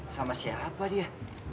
sama siapa dia